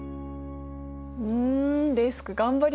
うんデスク頑張りましたね。